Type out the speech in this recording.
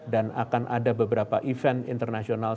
dan akan ada beberapa event internasional